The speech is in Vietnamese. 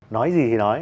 nói gì thì nói